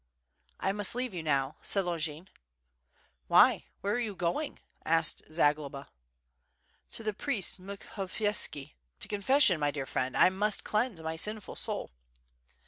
"I must leave you now," said Longin. "Why, where are you going?" asked Zagloba. "To thje priest Mukhovietski, to confession, my dear friend. I must cleanse my sinful soul."